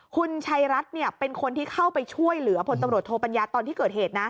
คุณชัยรัฐเป็นคนที่เข้าไปช่วยเหลือพลตำรวจโทปัญญาตอนที่เกิดเหตุนะ